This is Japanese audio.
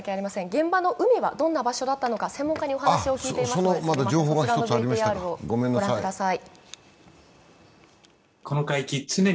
現場の海はどんな場所だったのか、専門家にお話をお聞きしていますので御覧ください。